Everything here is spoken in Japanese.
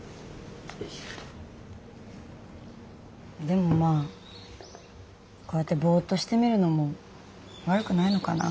でもまあこうやってぼっとしてみるのも悪くないのかな。